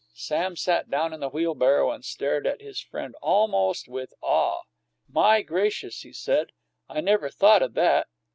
Sam sat down in the wheelbarrow and stared at his friend almost with awe. "My gracious," he said, "I never thought o' that!